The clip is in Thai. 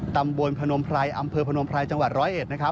ตำบลพนมพรายอำเภอพนมพรายจังหวัดร้อยเอ็ด